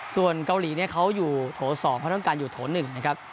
ส่วนเกาหลีเนี่ยเขาอยู่โถ๒เขาต้องการอยู่โถ๑นะครับ